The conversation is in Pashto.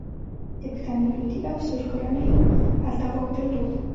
د پښتنو لودي او سور کورنیو هلته واک درلود.